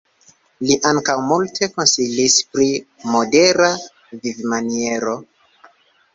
Li ankaŭ multe konsilis pri modera vivmaniero.